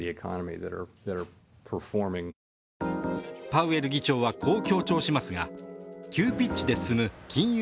パウエル議長はこう強調しますが、急ピッチで進む金融